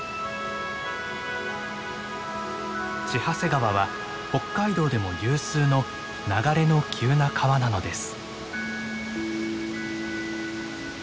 千走川は北海道でも有数の流れの急な川なのです。